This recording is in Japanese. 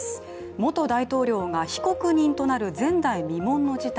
元大統領が被告人となる前代未聞の事態。